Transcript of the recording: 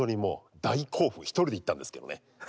１人で行ったんですけどね。